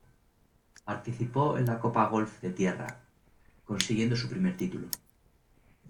Participó en la Copa Golf de Tierra, consiguiendo su primer título.